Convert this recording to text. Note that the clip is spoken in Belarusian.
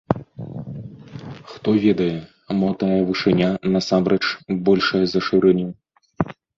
Хто ведае, мо тая вышыня, насамрэч, большая за шырыню?